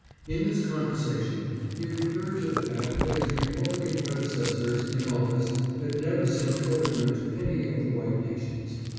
In this conversation he referred to the fact that his Republican predecessors in office had never sent colored men to any of the white nations.